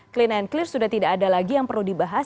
clean and clear sudah tidak ada lagi yang perlu dibahas